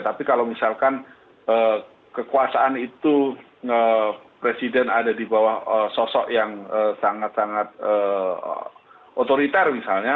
tapi kalau misalkan kekuasaan itu presiden ada di bawah sosok yang sangat sangat otoriter misalnya